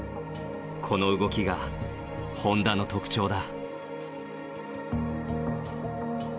この動きが本多の特長だ。